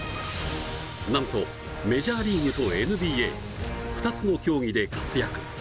なんとメジャーリーグとＮＢＡ、２つの競技で活躍。